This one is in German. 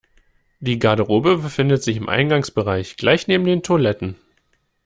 Die Garderobe befindet sich im Eingangsbereich, gleich neben den Toiletten.